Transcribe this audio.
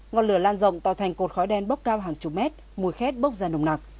ngọn lửa lan rộng tạo thành cột khói đen bốc cao hàng chục mét mùi khét bốc ra nồng nặc